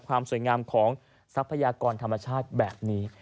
ความสวยงามของทรัพยากรธรรมชาติแบบนี้